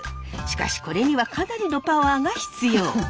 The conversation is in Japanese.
しかしこれにはかなりのパワーが必要。